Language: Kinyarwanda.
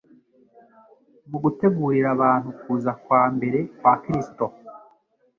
Mu gutegurira abantu kuza kwa mbere kwa Kristo